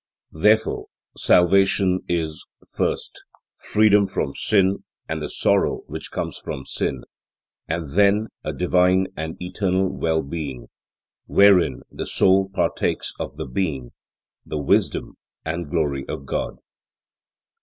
Therefore, salvation is, first, freedom from sin and the sorrow which comes from sin, and then a divine and eternal well being, wherein the soul partakes of the being, the wisdom and glory of God.